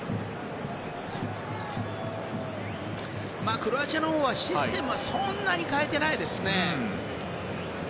クロアチアのほうは、システムはそんなに変えてないですね。